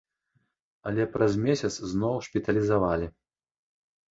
Але праз месяц зноў шпіталізавалі.